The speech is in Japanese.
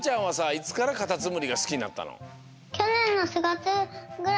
いつからカタツムリがすきになったの？